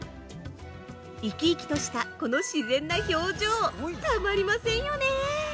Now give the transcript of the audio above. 生き生きとしたこの自然な表情たまりませんよね。